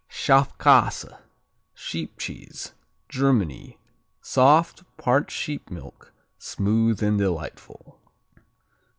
Schafkäse (Sheep Cheese) Germany Soft; part sheep milk; smooth and delightful.